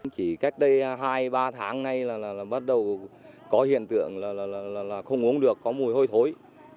chỉ cách đây hai ba tháng nay là bắt đầu có hiện tượng là không uống được có mùi hôi thối